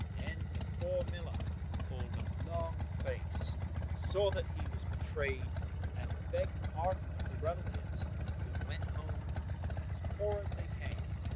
Then the poor miller pulled a long face, saw that he was betrayed, and begged pardon of the relatives, who went home as poor as they came.